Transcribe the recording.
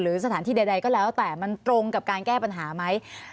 สถานที่ใดก็แล้วแต่มันตรงกับการแก้ปัญหาไหม